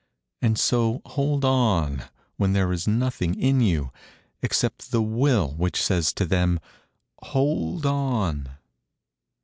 And so hold on when there is nothing in you Except the Will which says to them: 'Hold on!'